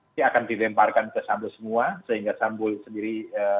ini akan dilemparkan ke asambu semua sehingga asambu sendiri